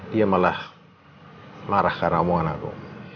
dia malah marah karena omongan aku